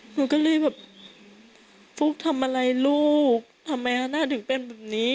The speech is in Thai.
หนูก็เลยแบบฟุ๊กทำอะไรลูกทำไมฮาน่าถึงเป็นแบบนี้